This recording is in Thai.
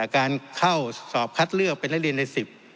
การเข้าสอบคัดเลือกเป็นนักเรียนใน๑๐